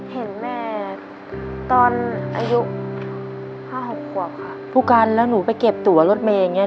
เห็นแม่ตอนอายุห้าหกขวบค่ะผู้กันแล้วหนูไปเก็บตัวรถเมย์อย่างเงี้